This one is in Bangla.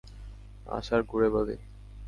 আশার গুঁড়ে বালি।